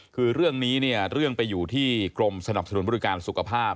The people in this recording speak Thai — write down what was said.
คือเรื่องนี้เนี่ยเรื่องไปอยู่ที่กรมสนับสนุนบริการสุขภาพ